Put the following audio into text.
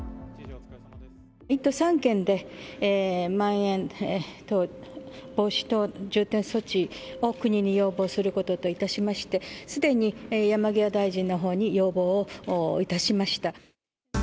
１都３県でまん延防止等重点措置を国に要望することといたしまして、すでに山際大臣のほうに要望をいたしました。